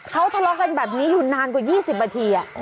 เขาทะเลาะกันแบบนี้อยู่นานกว่า๒๐นาที